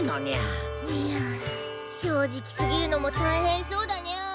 ニャ正直すぎるのも大変そうだニャ。